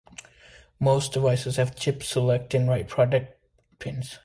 Most devices have chip select and write protect pins.